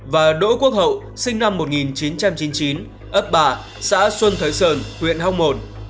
và đỗ quốc hậu sinh năm một nghìn chín trăm chín mươi chín ấp ba xã xuân thới sơn huyện hóc môn